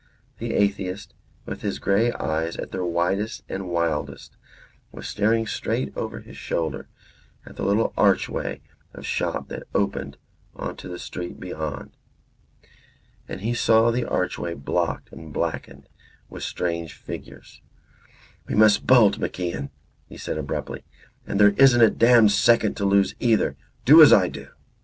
The atheist, with his grey eyes at their widest and wildest, was staring straight over his shoulder at the little archway of shop that opened on the street beyond. And he saw the archway blocked and blackened with strange figures. "We must bolt, MacIan," he said abruptly. "And there isn't a damned second to lose either. Do as I do."